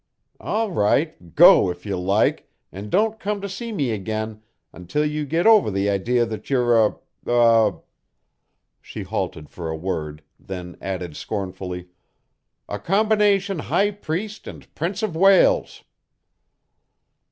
All right; go if you like and don't come to see me again until you get over the idea that you're a a " she halted for a word, then added scornfully "a combination high priest and Prince of Wales."